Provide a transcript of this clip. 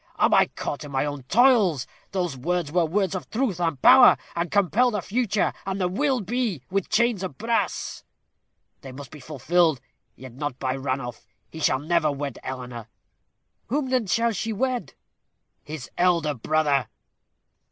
Am I caught in my own toils? Those words were words of truth and power, and compel the future and 'the will be' as with chains of brass. They must be fulfilled, yet not by Ranulph. He shall never wed Eleanor." "Whom then shall she wed?" "His elder brother."